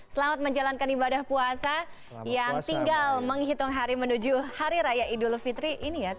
selamat menjalankan ibadah puasa yang tinggal menghitung hari menuju hari raya idul fitri ini ya